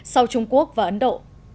sau trung quốc và ấn độ